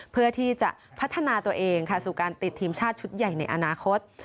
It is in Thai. เพื่อที่จะพัฒนาตัวเองค่ะสู่การติดทีมชาติชุดใหญ่ในอนาคต